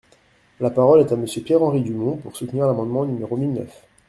La parole est à Monsieur Pierre-Henri Dumont, pour soutenir l’amendement numéro mille neuf.